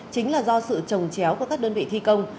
chính là do sự trồng chéo của các đơn vị thi công